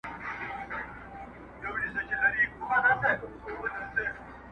ځکه لاهم پاته څو تڼۍ پر ګرېوانه لرم,